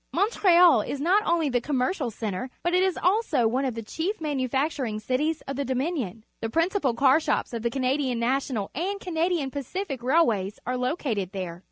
Montreal is not only the commercial centre, but it is also one of the chief manufacturing cities of the Dominion. The principal car shops of the Canadian National and Canadian Pacific Railways are located there.